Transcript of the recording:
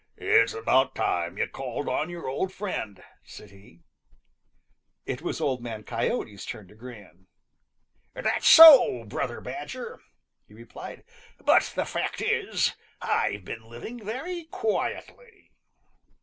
"It's about time you called on your old friend," said he. It was Old Man Coyote's turn to grin. "That's so, Brother Badger," he replied, "but the fact is, I've been living very quietly."